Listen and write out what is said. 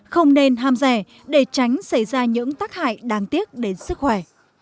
không nên ham rẻ để tránh xảy ra những tác hại đáng tiếc đến sức khỏe